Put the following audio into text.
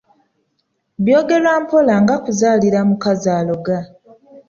“Byogerwa mpola ng'akuzaalira omukazi aloga”